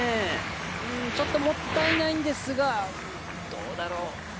ちょっともったいないんですが、どうだろう。